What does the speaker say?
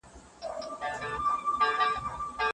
د اغیار جنازه ولاړه د غلیم کور دي تالان دی.